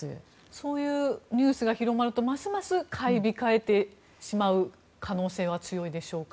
そういうニュースが広まるとますます買い控えてしまう可能性は強いでしょうか。